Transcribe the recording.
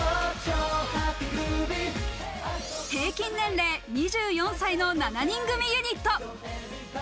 平均年齢２４歳の７人組ユニット。